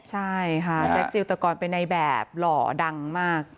ใช่ค่ะแจ็คจิลตะกรไปในแบบหล่อดังมาก